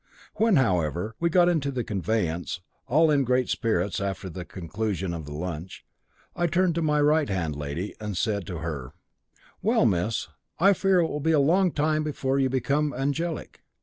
When, however, we got into the conveyance, all in great spirits, after the conclusion of the lunch, I turned to my right hand lady, and said to her: 'Well, miss, I fear it will be a long time before you become angelic.'